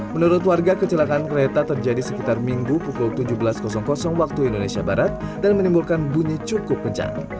menurut warga kecelakaan kereta terjadi sekitar minggu pukul tujuh belas waktu indonesia barat dan menimbulkan bunyi cukup kencang